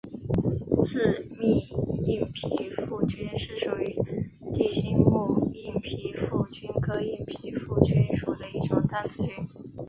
致密硬皮腹菌是属于地星目硬皮腹菌科硬皮腹菌属的一种担子菌。